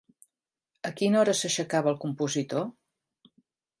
A quina hora s'aixecava el compositor?